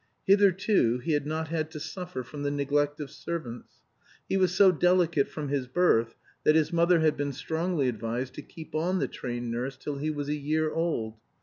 Hitherto he had not had to suffer from the neglect of servants. He was so delicate from his birth that his mother had been strongly advised to keep on the trained nurse till he was a year old.